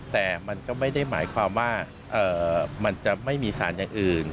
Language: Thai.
แต่มันก็ไม่ได้หมายความว่ามันจะไม่มีสารอย่างอื่น